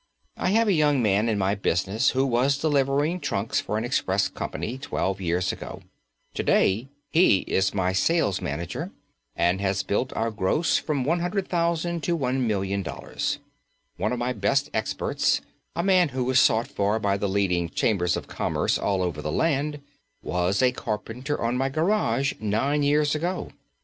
I have a young man in my business who was delivering trunks for an express company twelve years ago. To day he is my sales manager and has built our gross from $100,000 to $1,000,000. One of my best experts, a man who is sought for by the leading Chambers of Commerce all over the land, was a carpenter on my garage nine years ago.